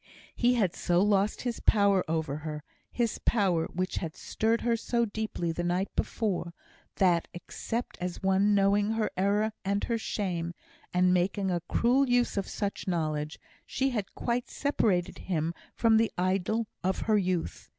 He had so lost his power over her his power, which had stirred her so deeply the night before that, except as one knowing her error and her shame, and making a cruel use of such knowledge, she had quite separated him from the idol of her youth.